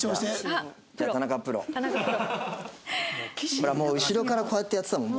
ほらもう後ろからこうやってやってたもん